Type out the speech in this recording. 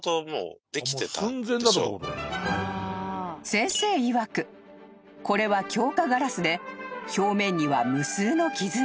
［先生いわくこれは強化ガラスで表面には無数の傷が］